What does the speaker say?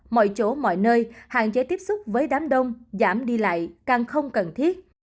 mọi chỗ mọi nơi hạn chế tiếp xúc với đám đông giảm đi lại càng không cần thiết